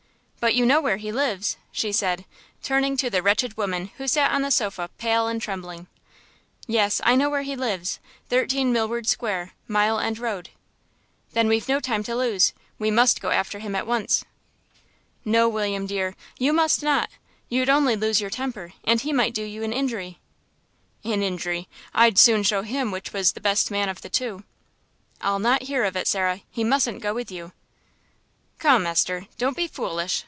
But you know where he lives," she said, turning to the wretched woman who sat on the sofa pale and trembling. "Yes, I know where he lives 13 Milward Square, Mile End Road." "Then we've no time to lose; we must go after him at once." "No, William dear; you must not; you'd only lose your temper, and he might do you an injury." "An injury! I'd soon show him which was the best man of the two." "I'll not hear of it, Sarah. He mustn't go with you." "Come, Esther, don't be foolish.